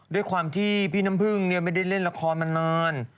ด้วยความที่พี่น้ำพึ่งไม่ได้เล่นละครมานาน